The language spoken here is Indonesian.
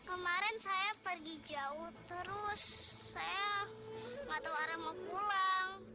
kemarin saya pergi jauh terus saya nggak tahu orang mau pulang